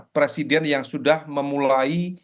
presiden yang sudah memulai